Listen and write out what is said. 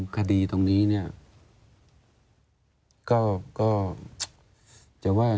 ก็จะว่า